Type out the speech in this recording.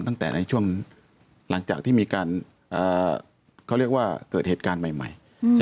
ตั้งแต่ในช่วงหลังจากที่เกิดเหตุการณ์ใหม่